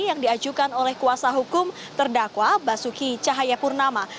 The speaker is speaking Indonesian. yang diajukan oleh kuasa hukum terdakwa basuki cahayapurnama